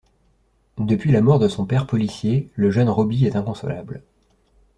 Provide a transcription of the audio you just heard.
Depuis la mort de son père policier, le jeune Robby est inconsolable.